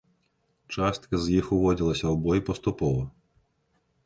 Частка з іх уводзілася ў бой паступова.